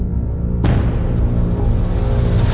เลขสี่